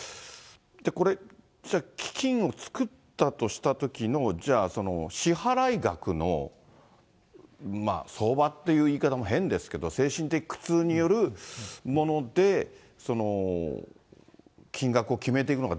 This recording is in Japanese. これ、じゃあ、基金を作ったとしたときの、じゃあ、支払い額の相場っていう言い方も変ですけど、精神的苦痛によるもので金額を決めていくのか、